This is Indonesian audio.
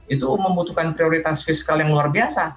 itu membutuhkan prioritas fiskal yang luar biasa